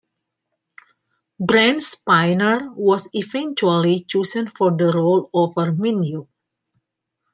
Brent Spiner was eventually chosen for the role over Menyuk.